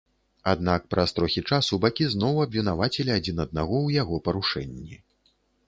Аднак, праз трохі часу бакі зноў абвінавацілі адзін аднаго ў яго парушэнні.